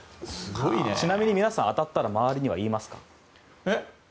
ちなみに皆さん当たったら周りに言いますか？